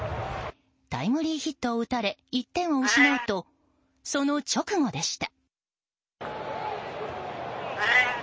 タイムリーヒットを打たれ１点を失うとその直後でした。